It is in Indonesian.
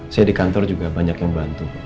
saya di kantor juga banyak yang bantu